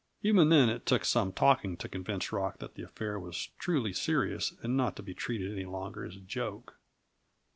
Even then, it took some talking to convince Rock that the affair was truly serious and not to be treated any longer as a joke.